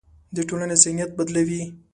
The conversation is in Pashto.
د ټولنې ذهنیت بدلوي.